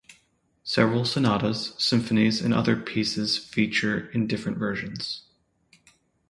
Several sonatas, symphonies and other pieces feature in different versions.